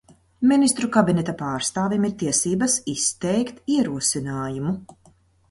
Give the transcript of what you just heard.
Ministru kabineta pārstāvim ir tiesības izteikt ierosinājumu.